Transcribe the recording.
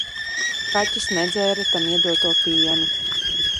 Kaķis nedzēra tam iedoto pienu.